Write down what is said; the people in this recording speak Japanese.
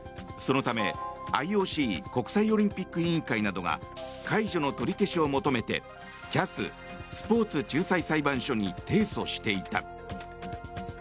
そのため、ＩＯＣ・国際オリンピック委員会などが解除の取り消しを求めてＣＡＳ・スポーツ仲裁裁判所に提訴していた。